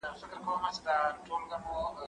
زه لرګي راوړلي دي!.